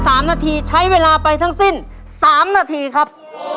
สามนาทีใช้เวลาไปทั้งสิ้นสามนาทีครับ